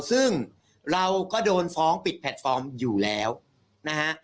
ซึ่งเราก็โดนฟ้องปิดแพลตฟอร์มอยู่แล้วนะฮะ